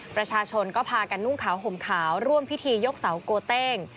ประชาชนก็พากันนุ่งขาวห่มขาวร่วมพิธียกเสาโกเต้ง